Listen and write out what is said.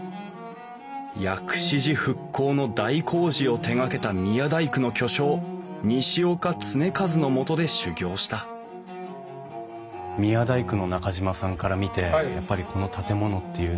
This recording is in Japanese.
薬師寺復興の大工事を手がけた宮大工の巨匠西岡常一のもとで修業した宮大工の中島さんから見てやっぱりこの建物っていうのは。